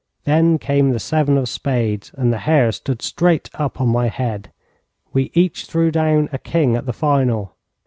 Then came the seven of spades, and the hair stood straight up on my head. We each threw down a king at the final.